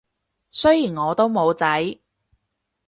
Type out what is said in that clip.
雖然我都冇仔